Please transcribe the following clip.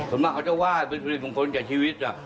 ส่วนมากเขาจะไหว้เป็นสุฤทธิ์ของคนในชีวิต